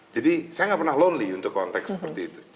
jadi saya nggak pernah lonely untuk konteks seperti itu